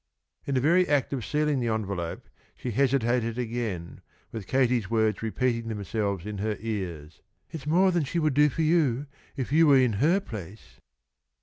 In the very act of sealing the envelope she hesitated again with Katie's words repeating themselves in her ears: "It's more than she would do for you, if you were in her place."